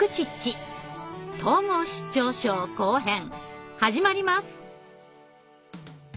統合失調症後編始まります。